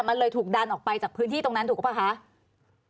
มันเลยถูกดันออกไปจากพื้นที่ตรงนั้นถูกหรือเปล่าคะ